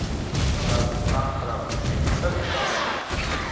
تاسو پلان په راتلوونکي کې څه دی ؟